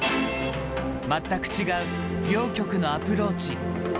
全く違う両局のアプローチ。